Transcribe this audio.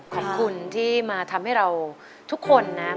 ขอบคุณที่มาทำให้เราทุกคนนะครับ